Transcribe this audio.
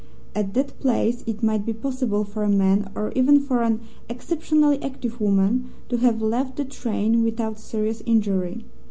At that place it might be possible for a man, or even for an exceptionally active woman, to have left the train without serious injury.